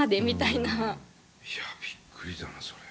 いやびっくりだなそれ。